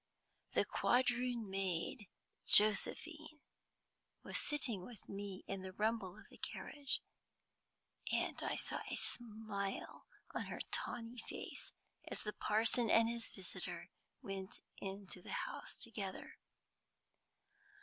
The quadroon maid, Josephine, was sitting with me in the rumble of the carriage, and I saw a smile on her tawny face as the parson and his visitor went into the house together.